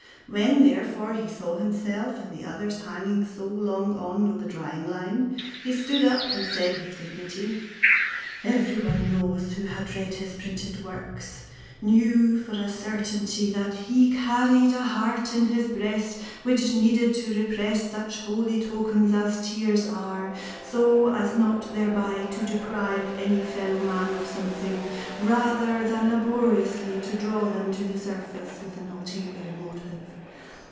When therefore he saw himself and the others hanging so long on the drying line, he stood up and said with dignity: Every one who had read his printed works knew for a certainty that he carried a heart in his breast, which needed to repress such holy tokens as tears are so as not thereby to deprive any fellowman of something rather than laboriously to draw them to the surface with an ulterior motive.